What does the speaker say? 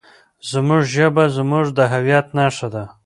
زموږ ژبه زموږ د هویت نښه ده.